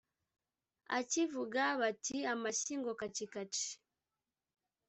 akivuga bati amashyi ngo"kacikaci"